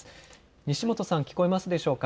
西本さん、聞こえますでしょうか。